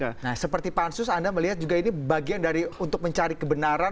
nah seperti pansus anda melihat juga ini bagian dari untuk mencari kebenaran